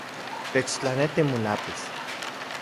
Techtlaneti molápiz